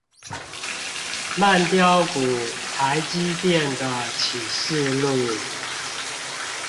慢飆股台積電的啟示錄